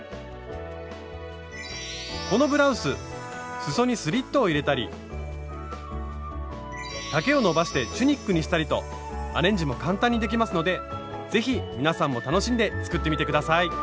このブラウスすそにスリットを入れたり丈をのばしてチュニックにしたりとアレンジも簡単にできますので是非皆さんも楽しんで作ってみて下さい。